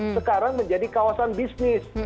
sekarang menjadi kawasan bisnis